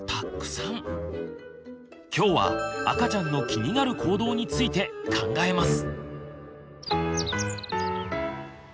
今日は赤ちゃんの気になる行動について考えます！